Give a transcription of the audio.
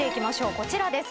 こちらです。